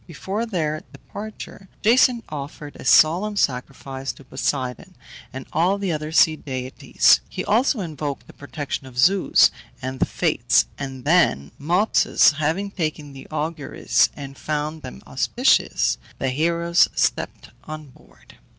Before their departure Jason offered a solemn sacrifice to Poseidon and all the other sea deities; he also invoked the protection of Zeus and the Fates, and then, Mopsus having taken the auguries, and found them auspicious, the heroes stepped on board.